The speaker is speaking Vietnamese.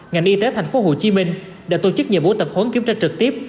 ngành y tế thành phố hồ chí minh đã tổ chức nhiệm vụ tập hốn kiểm tra trực tiếp